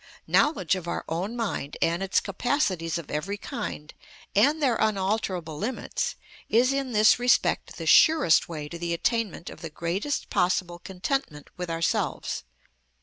Knowledge of our own mind and its capacities of every kind, and their unalterable limits, is in this respect the surest way to the attainment of the greatest possible contentment with ourselves.